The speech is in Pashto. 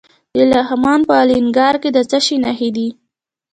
د لغمان په الینګار کې د څه شي نښې دي؟